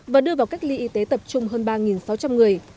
và đưa vào cách ly y tế tập trung hơn ba sáu trăm linh người